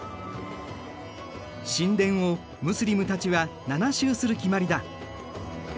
神殿をムスリムたちは７周する決まりだ。